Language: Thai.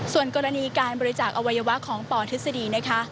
ส่วนกรณีการบริจาคอวัยวะของปทฤษฎีนะคะ